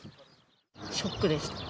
ショックでした。